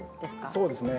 そうですね。